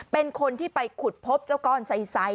เป็นคนที่ไปขุดพบเจ้าก้อนไซนี่แหละค่ะ